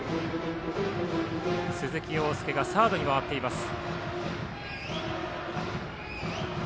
鈴木凰介がサードに回っています。